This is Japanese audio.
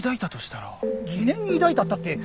疑念を抱いたったって。